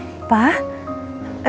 terima kasih adam